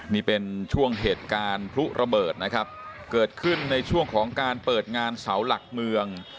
นี่เป็นช่วงเหตุการณ์พลุระเบิดนะครับเกิดขึ้นในช่วงของการเปิดงานเสาหลักเมือง